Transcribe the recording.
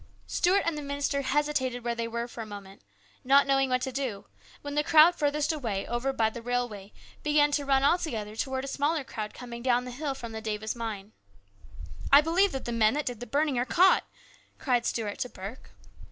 Stuart and the minister hesitated where they were for a moment, not knowing what to do, when the crowd farthest away, over by the railway, began to run all together towards a smaller crowd coming down the hill from the Davis mine. " I believe the men that did the burning are caught !" cried Stuart to Burke.